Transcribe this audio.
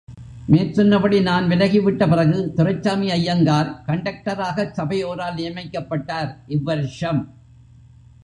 மேற்சொன்னபடி நான் விலகிவிட்ட பிறகு துரைசாமி ஐயங்கார், கண்டக்டராகச் சபையோரால் நியமிக்கப்பட்டார், இவ்வருஷம்.